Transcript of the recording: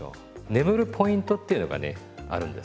眠るポイントっていうのがねあるんです。